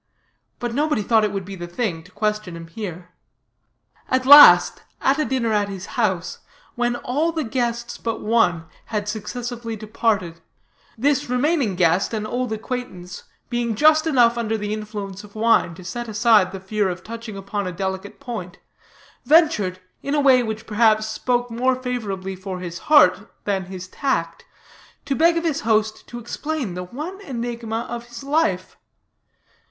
But nobody thought it would be the thing to question him here. "At last, at a dinner at his house, when all the guests but one had successively departed; this remaining guest, an old acquaintance, being just enough under the influence of wine to set aside the fear of touching upon a delicate point, ventured, in a way which perhaps spoke more favorably for his heart than his tact, to beg of his host to explain the one enigma of his life.